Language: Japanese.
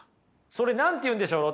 それ何て言うんでしょう？